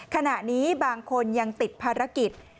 ขณะนี้บางคนยังติดภารกิจ